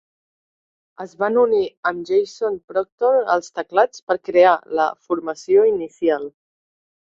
Es van unir amb Jason Proctor als teclats per crear la formació inicial.